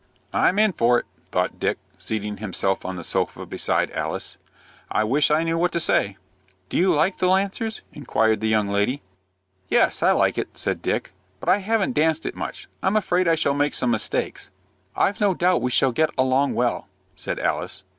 "I'm in for it," thought Dick, seating himself on the sofa beside Alice. "I wish I knew what to say." "Do you like the Lancers?" inquired the young lady. "Yes, I like it," said Dick, "but I haven't danced it much. I'm afraid I shall make some mistakes." "I've no doubt we shall get along well," said Alice.